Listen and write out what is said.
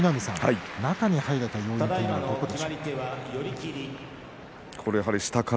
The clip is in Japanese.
中に入れた要因はどこでしょうか。